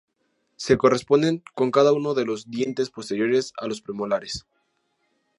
Se corresponden con cada uno de los dientes posteriores a los premolares.